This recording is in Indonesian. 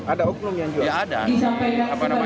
ada oknum yang jual itu pak